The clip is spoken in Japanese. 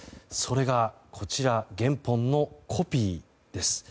こちら、原本のコピーです。